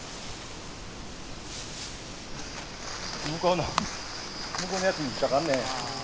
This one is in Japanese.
向こうの向こうのやつに引っ掛かんねん。